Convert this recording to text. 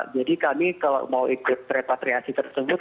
jadi kami kalau mau ikut repatriasi tersebut